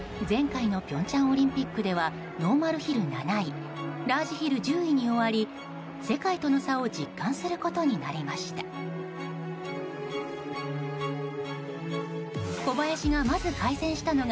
前回の平昌オリンピックではノーマルヒル７位ラージヒル１０位に終わり世界との差を実感することになりました。